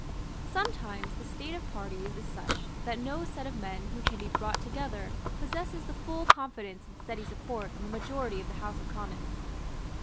Sometimes the state of parties is such that no set of men who can be brought together possesses the full confidence and steady support of a majority of the House of Commons.